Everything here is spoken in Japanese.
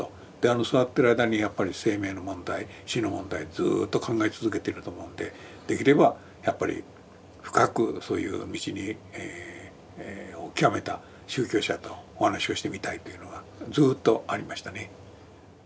座ってる間にやっぱり生命の問題死の問題ずっと考え続けてると思うんでできればやっぱり深くそういう道を究めた宗教者とお話をしてみたいというのがずっとありましたね。